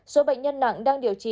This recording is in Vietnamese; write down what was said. hai số bệnh nhân nặng đang điều trị